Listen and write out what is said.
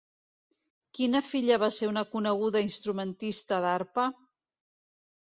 Quina filla va ser una coneguda instrumentista d'arpa?